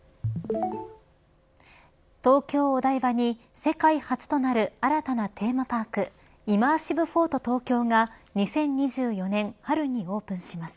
東京・お台場に世界初となる新たなテーマパークイマーシブ・フォート東京が２０２４年春にオープンします。